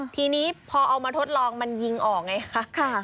ทีนี้พอเอามาทดลองมันยิงออกไงคะ